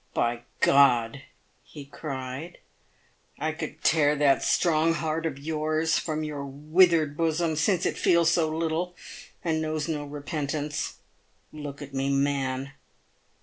" By Gr —!" he cried, " I could tear that strong heart of yours from your withered bosom, since it feels so little, and knows no repentance. Look at me, man